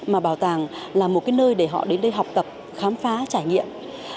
mà bảo tàng là một cái nơi để họ đến đây học tập khám phá trải nghiệm